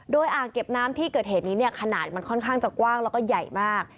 โดยอ่างเก็บน้ำที่เกิดเหตุนี้เนี่ยขนาดมันค่อนข้างจะกว้างแล้วก็ใหญ่มาก